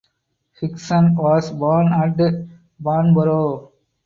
Hickson was born at Farnborough.